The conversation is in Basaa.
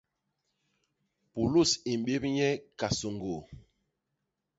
Pulus i mbép nye kasôñgô.